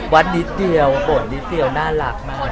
วัดนิดเดียวบ่นนิดเดียวน่ารักมาก